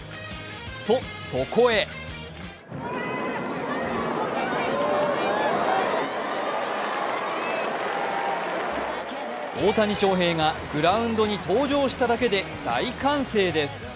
と、そこへ大谷翔平がグラウンドへ登場しただけで大歓声です。